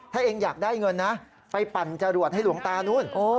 ถ้าเองอยากได้เงินนะไปปั่นจรวดให้หลวงตานู้น